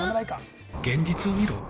現実を見ろ！